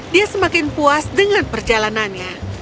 dia semakin puas dengan perjalanannya